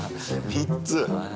３つ。